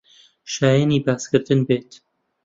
شایانی باسکردن بێت